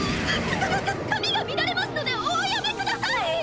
かかか髪が乱れますのでおやめください！